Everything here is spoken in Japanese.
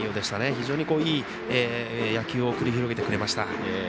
非常にいい野球を繰り広げてくれました。